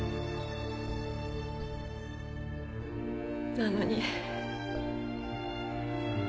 なのに。